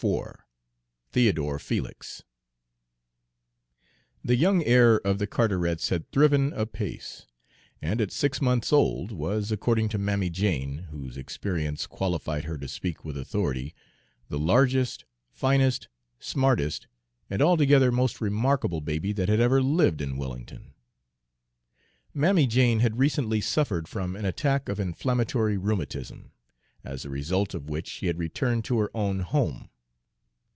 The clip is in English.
IV THEODORE FELIX The young heir of the Carterets had thriven apace, and at six months old was, according to Mammy Jane, whose experience qualified her to speak with authority, the largest, finest, smartest, and altogether most remarkable baby that had ever lived in Wellington. Mammy Jane had recently suffered from an attack of inflammatory rheumatism, as the result of which she had returned to her own home.